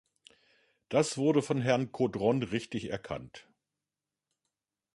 Das wurde von Herrn Caudron richtig erkannt.